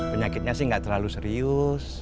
penyakitnya sih nggak terlalu serius